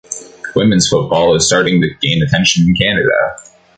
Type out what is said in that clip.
Women's football is starting to gain attention in Canada.